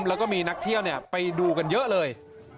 แล้วก็มีนักเที่ยวไปดูกันเยอะเลย